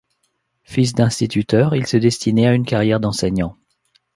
Fils d'instituteurs, il se destinait à une carrière d'enseignant.